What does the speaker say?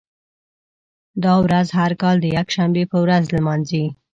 دا ورځ هر کال د یکشنبې په ورځ لمانځي.